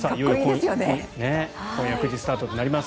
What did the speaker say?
今夜９時スタートとなります。